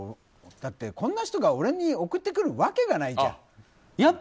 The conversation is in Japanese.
こんな人が俺に送ってくるわけがないじゃん。